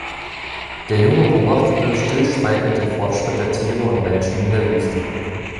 Der Junge beobachtete stillschweigend den Fortschritt der Tiere und Menschen in der Wüste.